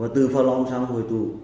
từ pha lõng sang hồi tù